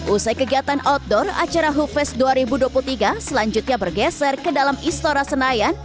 usai kegiatan outdoor acara huffest dua ribu dua puluh tiga selanjutnya bergeser ke dalam istora senayan